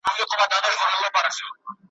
توبه چي زه به له میني موړ یم ,